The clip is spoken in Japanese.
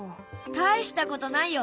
大したことないよ。